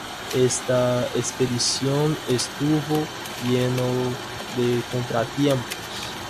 Esta expedición estuvo lleno de contratiempos.